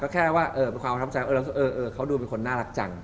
เขาดูเป็นน่ารักจัง